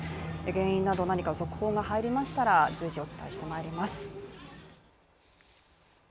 原因など何か続報が入りましたら随時お伝えしてまいります。